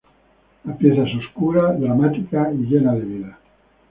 La pieza es oscura, dramática y llena de vida.